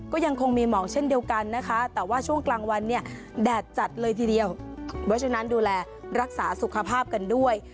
ก็ยังคงมีหมอกเช่นเดียวกันนะคะแต่ว่าช่วงกลางวันเนี่ยแดดจัดเลยทีเดียวเพราะฉะนั้นดูแลรักษาสุขภาพกันด้วย